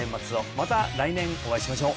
また来年お会いしましょう